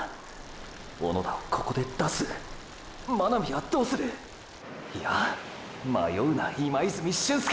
小野田をここで出す⁉真波はどうする⁉いや迷うな今泉俊輔！！